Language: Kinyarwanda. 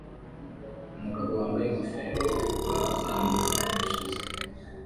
Umugabo wambaye ingofero itukura azamuka umusozi